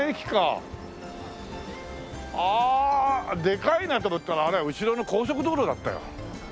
でかいなと思ったらあれは後ろの高速道路だったよ。